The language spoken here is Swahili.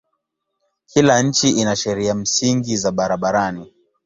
Kila nchi ina sheria msingi za barabarani.